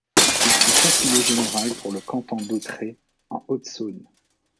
Il fut conseiller général pour le canton d'Autrey, en Haute-Saône.